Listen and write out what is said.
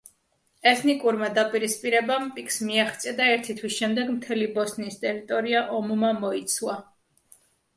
ეთნიკურმა დაპირისპირებამ პიკს მიაღწია და ერთი თვის შემდეგ მთელი ბოსნიის ტერიტორია ომმა მოიცვა.